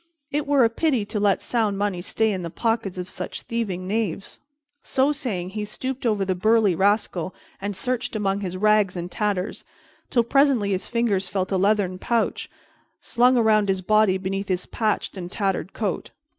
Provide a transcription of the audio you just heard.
It were a pity to let sound money stay in the pockets of such thieving knaves." So saying, he stooped over the burly rascal and searched among his rags and tatters, till presently his fingers felt a leathern pouch slung around his body beneath his patched and tattered coat.